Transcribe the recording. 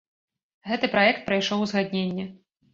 Гэты праект прайшоў узгадненне.